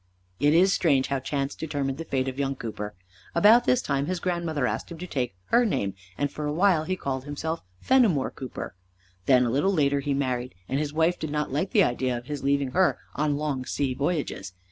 It is strange how chance determined the fate of young Cooper. About this time his grandmother asked him to take her name, and for a while he called himself Fenimore Cooper. Then a little later he married, and his wife did not like the idea of his leaving her on long sea voyages.